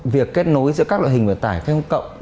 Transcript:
việc kết nối giữa các loại hình vận tải khách công cộng